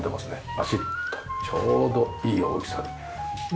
バシッとちょうどいい大きさで。